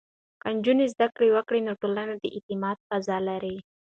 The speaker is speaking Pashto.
که نجونې زده کړه وکړي، نو ټولنه د اعتماد فضا لري.